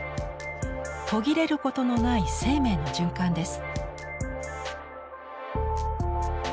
途切れることのない生命の循環です。